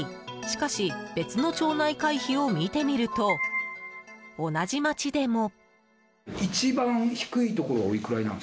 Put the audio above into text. しかし別の町内会費を見てみると同じ町でも。